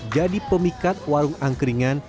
jadi pemikat warung angkringan